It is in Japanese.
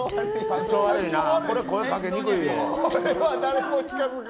体調悪いなぁ。